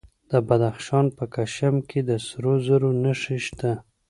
د بدخشان په کشم کې د سرو زرو نښې شته.